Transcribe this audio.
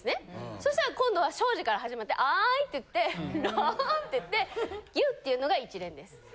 そしたら今度は庄司から始まって「Ｉ」って言って「ＬＯＶＥ」って言って「ＹＯＵ」っていうのが一連です。